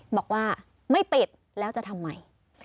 บอกว่าไม่ปิดแล้วจะทำไม